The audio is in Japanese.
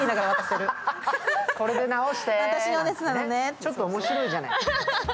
ちょっと面白いじゃない？